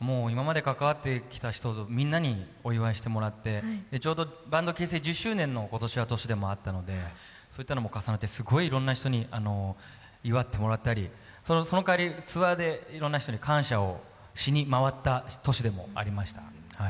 今まで関わってきた人みんなにお祝いしてもらってちょうどバンド結成１０周年の年でもあったのでそういったのも重なってすごいたくさんの人に祝ってもらったり、その代わり、ツアーでいろんな人に感謝をしに回った年でもありました。